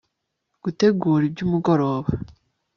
gutegura ibyumugoroba